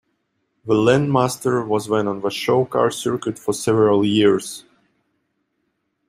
The Landmaster was then on the show car circuit for several years.